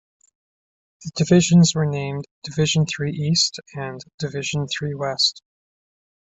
The divisions were named "Division Three East" and "Division Three West".